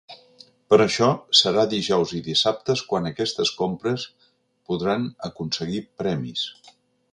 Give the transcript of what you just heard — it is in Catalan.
Per això, serà dijous i dissabtes quan aquestes compres podran aconseguir premis.